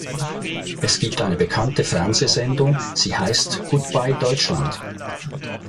Es gibt eine bekannte Fernsehsendung, sie heißt „Goodbye Deutschland”.